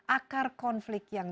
akar konflik yang